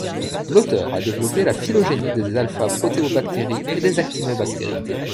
L'auteur a développé la phylogénie des α-protéobactéries et des actinobactéries.